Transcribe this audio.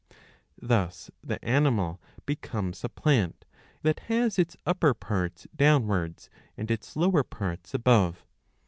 Thus the animal becomes a plant, that has its upper parts downwards and its lower parts above.